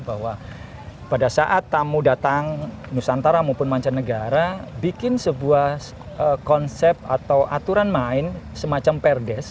bahwa pada saat tamu datang nusantara maupun mancanegara bikin sebuah konsep atau aturan main semacam perdes